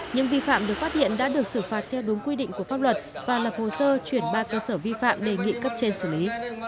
những vi phạm được phát hiện đã được xử phạt theo đúng quy định của pháp luật và lập hồ sơ chuyển ba cơ sở vi phạm đề nghị cấp trên xử lý